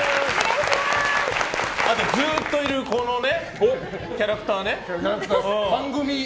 ずっといるこのキャラクターね。